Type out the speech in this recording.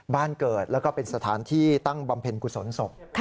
บ้านเกิดแล้วก็เป็นสถานที่ตั้งบำเพ็ญกุศลศพ